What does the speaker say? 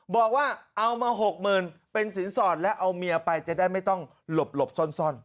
บอกว่าเอามาหกหมื่นเป็นสินสรบแล้วเอาเมียไปจะได้ไม่ต้องลบลบซ่อน